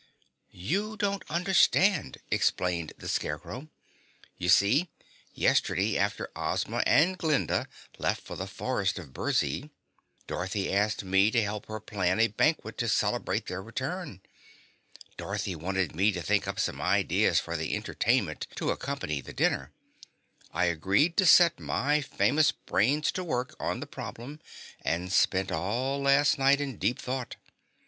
"You don't understand," explained the Scarecrow. "You see, yesterday after Ozma and Glinda left for the Forest of Burzee, Dorothy asked me to help her plan a banquet to celebrate their return. Dorothy wanted me to think up some ideas for the entertainment to accompany the dinner. I agreed to set my famous brains to work on the problem and spent all last night in deep thought.